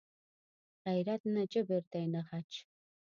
غیرت نه جبر دی نه غچ